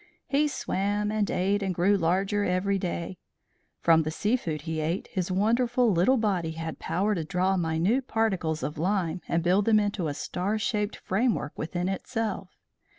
He swam and ate, and grew larger every day. From the sea food he ate his wonderful little body had power to draw minute particles of lime and build them into a star shaped framework within itself.